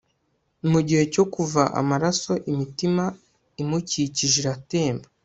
mugihe cyo kuva amaraso imitima imukikije iratemba